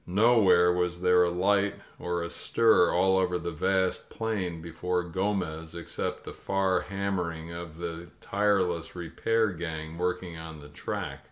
Nowhere was there a light or a stir all over the vast plain before Gomez, except the far hammering of the tireless repair gang working on the track.